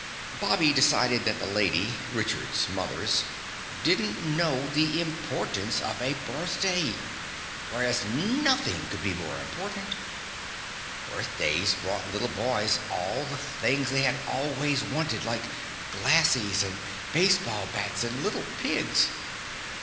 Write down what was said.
Bobby decided that the lady, Richard's mothers, didn't know the importance of a birthdays, whereas nothing could be more important. Birthdays brought little boys all the things they had always wanted, like "glassies" and baseball bats and little pigs.